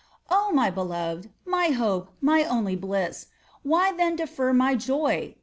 «" Oh I mjr beloved, mj hope, my onlf bliss, Why then defer my joy